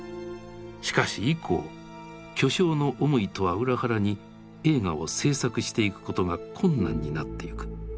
しかし以降巨匠の思いとは裏腹に映画を製作していくことが困難になってゆく。